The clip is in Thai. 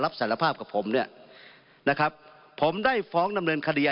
รับสารภาพกับผมเนี่ยนะครับผมได้ฟ้องดำเนินคดี